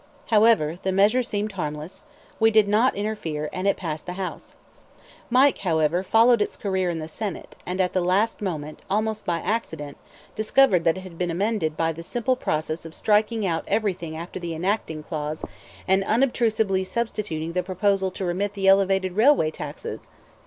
However, the measure seemed harmless; we did not interfere; and it passed the House. Mike, however, followed its career in the Senate, and at the last moment, almost by accident, discovered that it had been "amended" by the simple process of striking out everything after the enacting clause and unobtrusively substituting the proposal to remit the elevated railway taxes!